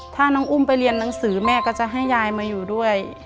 ถ้าน้องอุ้มไปเรียนหนังสือแม่ก็จะให้ยายมาอยู่ด้วย